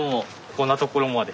こんなところまで。